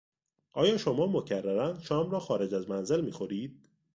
آیا شما مکررا شام را خارج از منزل میخورید؟